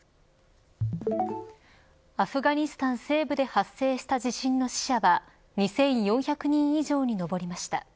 アフガニスタン西部で発生した地震の死者は２４００人以上に上りました。